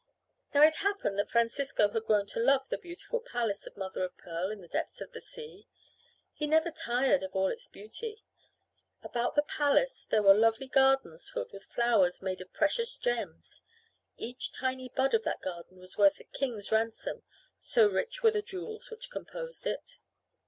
Now it happened that Francisco had grown to love the beautiful palace of mother of pearl in the depths of the sea. He never tired of all its beauty. About the palace there were lovely gardens filled with flowers made of precious gems. Each tiny bud of that garden was worth a king's ransom, so rich were the jewels which composed it.